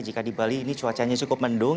jika di bali ini cuacanya cukup mendung